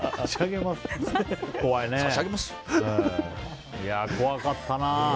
いや、怖かったな。